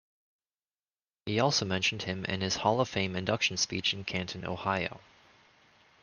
He also mentioned him in his hall of fame induction speech in Canton, Ohio.